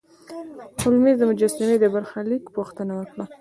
هولمز د مجسمې د برخلیک پوښتنه وکړه.